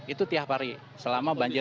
itu tiap hari selama banjir